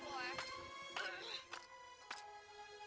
menekan gue siapa beer